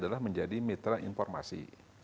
jangan menjadi mitra informasi